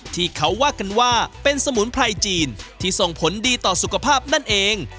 ที่เขาว่ากันว่าเป็นสมุนไพรจีนที่ส่งผลดีต่อสุขภาพนั่นเอง